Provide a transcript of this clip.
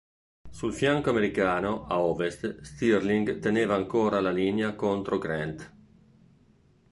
Sul fianco americano, a ovest, Stirling teneva ancora la linea contro Grant.